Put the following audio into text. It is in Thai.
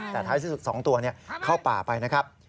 แต่ท้ายสุด๒ตัวเนี่ยเข้าป่าไปนะครับ